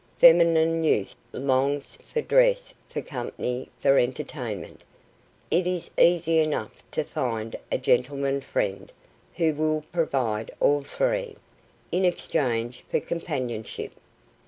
Feminine youth longs for dress, for company, for entertainment. It is easy enough to find a "gentleman friend" who will provide all three, in exchange for "companionship."